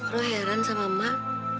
lu heran sama emak